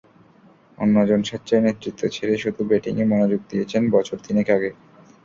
অন্যজন স্বেচ্ছায় নেতৃত্ব ছেড়ে শুধু ব্যাটিংয়ে মনোযোগ দিয়েছেন বছর তিনেক আগে।